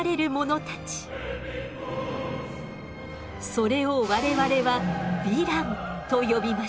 それを我々は「ヴィラン」と呼びます。